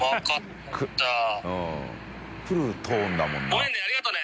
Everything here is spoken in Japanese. ごめんねありがとうね。